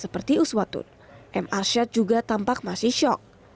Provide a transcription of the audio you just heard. seperti uswatun m arsyad juga tampak masih shock